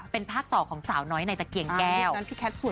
เป็นภาคต่อของสาวน้อยในตะเกียงแก้ว